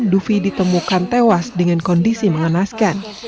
dufi ditemukan tewas dengan kondisi mengenaskan